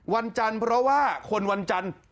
วันจันทร์เพราะว่าคนวันจันทร์